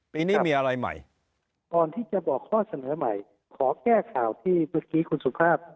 ปีนี้มีอะไรใหม่ก่อนที่จะบอกข้อเสนอใหม่ขอแก้ข่าวที่เมื่อกี้คุณสุภาพ